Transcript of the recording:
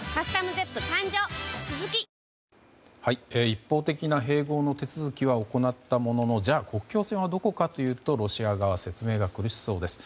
一方的な併合の手続きは行ったもののじゃあ、国境線はどこかというとロシア側は説明が苦しそうです。